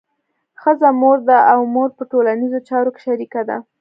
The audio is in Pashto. ښځه مور ده او مور په ټولنیزو چارو کې شریکه ده.